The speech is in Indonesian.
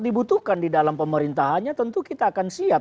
dibutuhkan di dalam pemerintahannya tentu kita akan siap